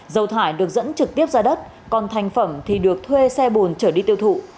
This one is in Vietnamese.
dầu thải được dẫn trực tiếp ra đất còn thành phẩm thì được thuê xe bồn trở đi tiêu thụ